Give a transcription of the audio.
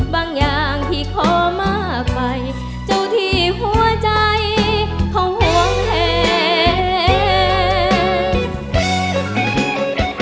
อย่างที่ขอมากไปเจ้าที่หัวใจเขาห่วงแทน